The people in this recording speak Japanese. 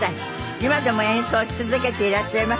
今でも演奏を続けていらっしゃいます。